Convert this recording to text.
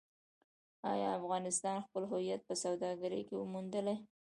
آیا افغانستان خپل هویت په سوداګرۍ کې موندلی؟